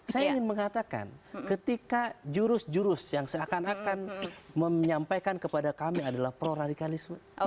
saya ingin mengatakan ketika jurus jurus yang seakan akan menyampaikan kepada kami adalah pro radikalisme